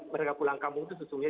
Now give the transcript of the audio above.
mereka pulang kampung itu sesungguhnya